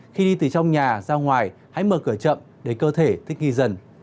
khi đi từ trong nhà ra ngoài hãy mở cửa chậm để cơ thể thích nghi dần